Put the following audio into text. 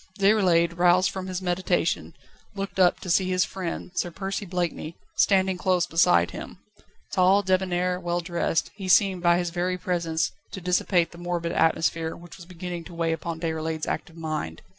Déroulède, roused from his meditation, looked up, to see his friend, Sir Percy Blakeney, standing close beside him. Tall, débonnair, well dressed, he seemed by his very presence to dissipate the morbid atmosphere which was beginning to weigh upon Déroulède's active mind.